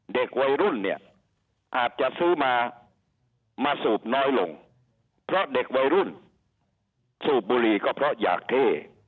เด็กวัยรุ่นเนี่ยอาจจะซื้อมามาสูบน้อยลงเพราะเด็กวัยรุ่นสูบบุหรี่ก็เพราะอยากเท่